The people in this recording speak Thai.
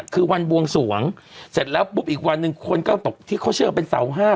คือวันบวงสวงเสร็จแล้วปุ๊บอีกวันหนึ่งคนก็ตกที่เขาเชื่อว่าเป็นเสาห้า